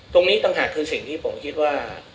ตรงนี้ต่างหากคือสิ่งที่ผมคิดว่า